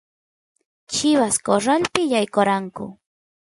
chivas corralpi yaykoranku